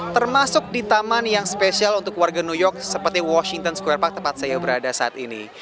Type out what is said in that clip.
termasuk di taman yang spesial untuk warga new york seperti washington square park tempat saya berada saat ini